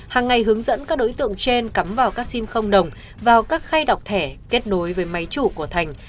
hàng ngày hướng dẫn các đối tượng trên cắm vào các sim không đồng vào các khay đọc thẻ kết nối với máy chủ của thành